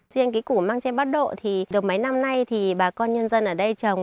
trên cái củ măng tre bắt độ thì được mấy năm nay thì bà con nhân dân ở đây trồng